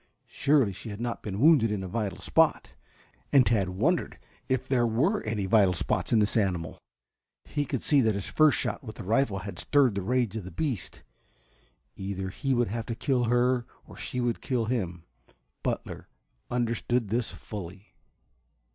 Surely she had not been wounded in a vital spot and Tad wondered if there were any vital spots in this animal. He could see that his first shot with the rifle had stirred the rage of the beast. Either he would have to kill her or she would kill him. Butler understood this fully.